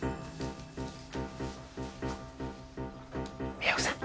美和子さん。